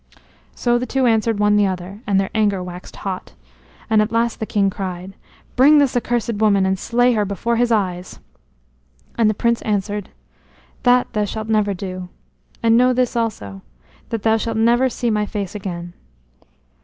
So the two answered one the other, and their anger waxed hot. And at the last the king cried: "Bring this accursed woman and slay her before his eyes." And the prince answered: "That thou shalt never do. And know this also, that thou shalt never see my face again."